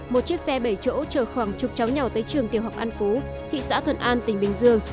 một chiếc xe bảy chỗ chờ khoảng chục cháu nhỏ tới trường tiểu học an phú thị xã thuận an tỉnh bình dương